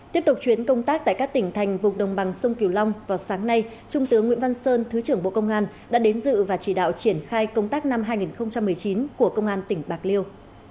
tiếp tục chuyến công tác tại các tỉnh thành vùng đồng bằng sông kiều long vào sáng nay trung tướng nguyễn văn sơn thứ trưởng bộ công an đã đến dự và chỉ đạo triển khai công tác năm hai nghìn một mươi chín của công an tỉnh bạc liêu